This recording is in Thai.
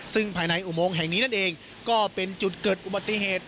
ซึ่งภายในอุโมงแห่งนี้นั่นเองก็เป็นจุดเกิดอุบัติเหตุ